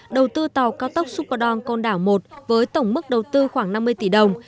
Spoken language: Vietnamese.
đầu tư tàu cao tốc superang côn đảo một với tổng mức đầu tư khoảng năm mươi tỷ đồng